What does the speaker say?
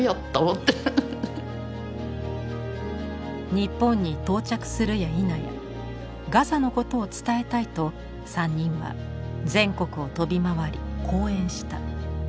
日本に到着するやいなやガザのことを伝えたいと３人は全国を飛び回り講演した。